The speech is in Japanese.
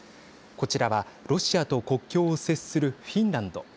こちらは、ロシアと国境を接するフィンランド。